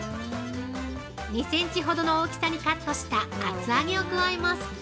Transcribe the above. ◆２センチほどの大きさにカットした厚揚げを加えます。